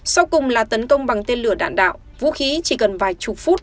sau cùng là tấn công bằng tên lửa đạn đạo vũ khí chỉ cần vài chục phút